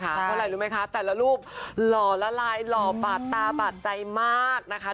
เพราะอะไรรู้ไหมคะแต่ละรูปหล่อละลายหล่อบาดตาบาดใจมากนะคะ